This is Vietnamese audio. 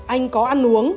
anh có ăn uống